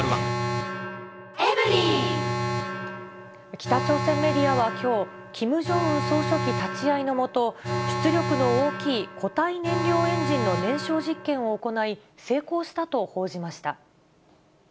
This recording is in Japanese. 北朝鮮メディアはきょう、キム・ジョンウン総書記立ち会いの下、出力の大きい固体燃料エンジンの燃焼実験を行い、成功したと報じました。